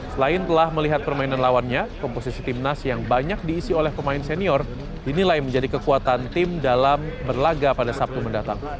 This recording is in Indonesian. selain telah melihat permainan lawannya komposisi timnas yang banyak diisi oleh pemain senior dinilai menjadi kekuatan tim dalam berlaga pada sabtu mendatang